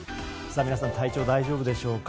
皆さん体調、大丈夫でしょうか。